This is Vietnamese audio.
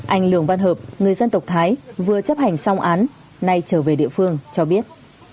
anh lường văn hợp người dân tộc thái vừa chấp hành xong án nay trở về địa phương cho biết